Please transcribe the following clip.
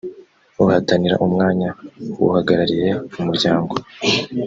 uhatanira umwanya w uhagarariye umuryango